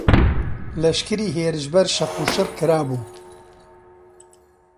لەشکری هێرشبەر شەق و شڕ کرابوو